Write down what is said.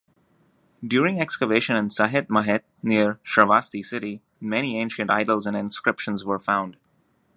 During excavation in 'Sahet-Mahet' near Shravasti City, many ancient idols and inscriptions were found.